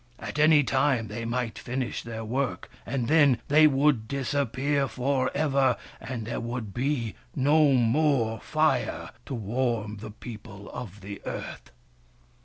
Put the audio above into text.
At any time they might finish their work ; and then they would disappear for ever, and there would be no more Fire to warm the people of the earth.